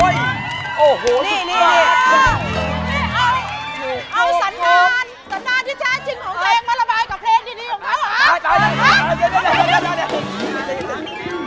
สัญญาณสัญญาณที่ใช้จริงของเองมาระบายกับเพลงดีของเค้า